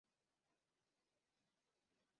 kauli hizo hutolewa wakati wa mwanadamu kusilimu